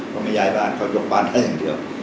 เขาไม่ย้ายบ้านเขายกบ้านแค่อย่างเดียว